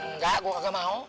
enggak gue enggak mau